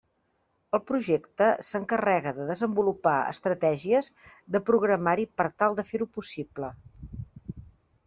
El projecte s'encarrega de desenvolupar estratègies de programari per tal de fer-ho possible.